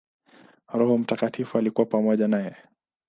Roho Mtakatifu alikuwa pamoja naye.